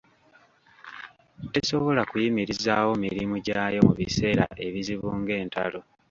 Tesobola kuyimirizaawo mirimu gy'ayo mu biseera ebizibu ng'entalo.